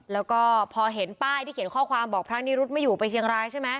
แล้วก็พอเห็นป้ายที่เขียนข้อความบอกพระนิรุธไม่อยู่ไปเชียงรายใช่ไหม